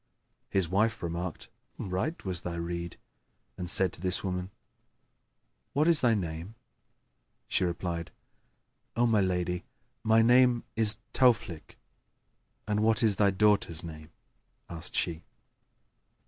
His wife remarked, "Right was thy rede", and said to the woman "What is thy name?" She replied, "O my lady, my name is Tauflнk.[FN#3]" "And what is thy daughter's name?" asked she?